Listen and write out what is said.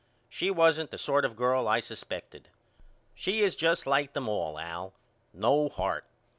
She wasn't the sort of girl I suspected. She is just like them all Al. No heart.